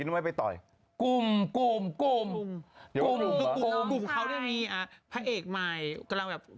ฉันเป็นแบบว่ากะเทยคนนั้น